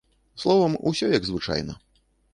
Словам, усё як звычайна.